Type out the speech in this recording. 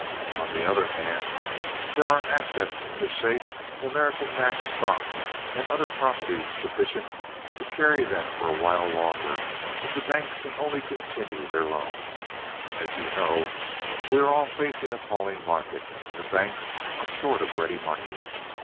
On the other hand, there are assets in the shape of American Match stocks and other properties sufficient to carry them for a while longer if the banks can only continue their loans. As you know, we are all facing a falling market, and the banks are short of ready money.